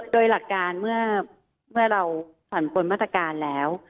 โดยหลักการเมื่อเราผ่อนปนมาตรการแล้ว